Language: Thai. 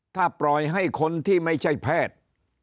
ถ้าปล่อยให้คนที่ไม่ใช่แพทย์